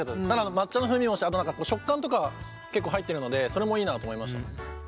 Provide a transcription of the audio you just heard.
抹茶の風味もしてあと食感とか結構入ってるのでそれもいいなと思いました。